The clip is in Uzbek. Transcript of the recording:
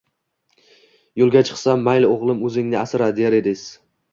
Yulga chiqsam “Mayli uglim Uzing asra” der ediz